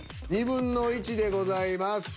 ２分の１でございます。